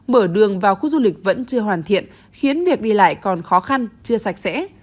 mở đường vào khu du lịch vẫn chưa hoàn thiện khiến việc đi lại còn khó khăn chưa sạch sẽ